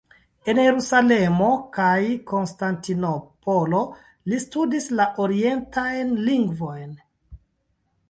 En Jerusalemo kaj Konstantinopolo li studis la orientajn lingvojn.